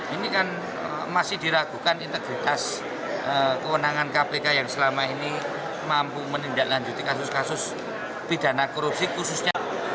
ini kan masih diragukan integritas kewenangan kpk yang selama ini mampu menindaklanjuti kasus kasus pidana korupsi khususnya